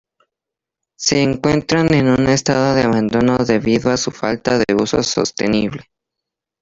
Se encuentra en un estado de abandono debido a su falta de uso sostenible.